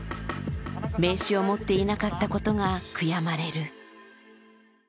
名刺を持っていなかったことが悔やまれる。